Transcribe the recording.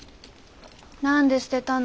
何で捨てたの？